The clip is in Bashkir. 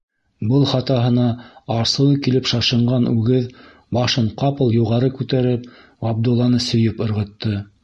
Был хатаһына асыуы килеп шашынған үгеҙ, башын ҡапыл юғары күтәреп, Ғабдулланы сөйөп ырғытты.